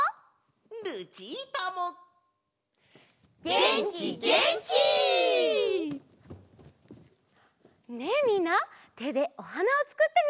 げんきげんき！ねえみんなてでおはなをつくってみて！